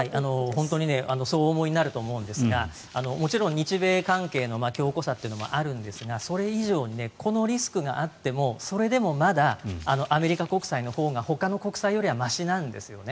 本当にそうお思いになると思うんですがもちろん日米関係の強固さというのもあるんですがそれ以上にこのリスクがあってもそれでもまだアメリカ国債のほうがほかの国債よりはましなんですよね。